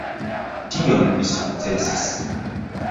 Tion vi sukcesis.